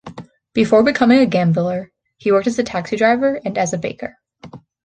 Before becoming a gambler, he worked as a taxi driver and as a baker.